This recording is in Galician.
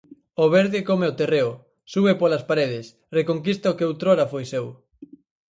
O verde come o terreo, sube polas paredes, reconquista o que outrora foi seu.